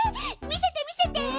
見せて見せて！